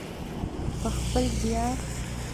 په خپل زیار.